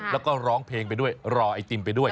แล้วก็ร้องเพลงไปด้วยรอไอติมไปด้วย